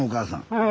はい。